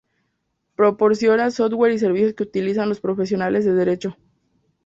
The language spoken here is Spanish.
Proporciona software y servicios que utilizan los profesionales de derecho.